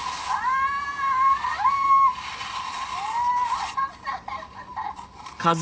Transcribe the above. アハハハ！